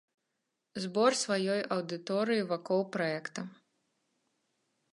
Збор сваёй аўдыторыі вакол праекта.